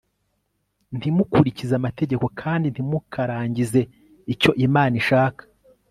ntimukurikize amategeko kandi ntimurangize icyo imana ishaka